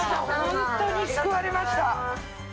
ホントに救われました。